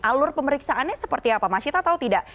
alur pemeriksaannya seperti apa mas cita atau tidak